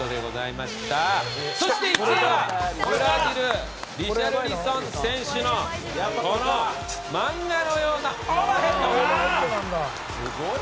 そして１位はブラジルリシャルリソン選手の漫画のようなオーバーヘッド。